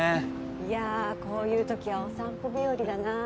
いやこういう時はお散歩日和だな。